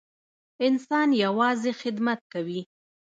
انسان یوازې خدمت کوي.